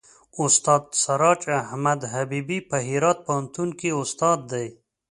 استاد سراج احمد حبیبي په هرات پوهنتون کې استاد دی.